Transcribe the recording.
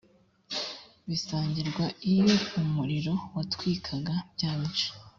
bisangirwa iyo umuriro watwikaga bya bice